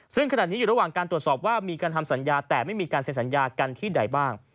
ซึ่งขณะนี้อยู่ระหว่างการตรวจสอบว่ามีการทำสัญญาแต่ไม่มีการเซ็นสัญญากันที่ใดบ้าง